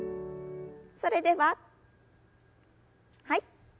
それでははい。